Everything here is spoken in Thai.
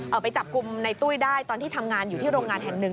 ไปจับกลุ่มในตุ้ยได้ตอนที่ทำงานอยู่ที่โรงงานแห่งหนึ่ง